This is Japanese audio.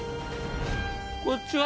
こっちは？